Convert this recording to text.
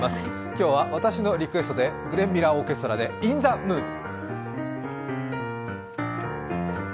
今日は私のリクエストで、グレン・ミラーオーケストラで、「イン・ザ・ムード」。